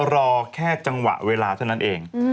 รอแค่จังหวะเวลาเท่านั้นเอง